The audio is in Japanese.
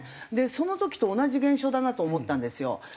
その時と同じ現象だなと思ったんですよ。